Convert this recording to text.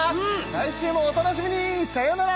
来週もお楽しみにさようなら